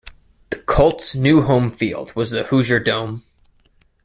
The Colts new home field was the Hoosier Dome.